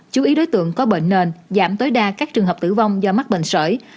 chú ý đối tượng có bệnh nền giảm tối đa các trường hợp tử vong do mắc bệnh sởi